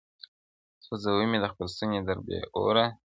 سوځوي مي د خپل ستوني درد بې اوره؛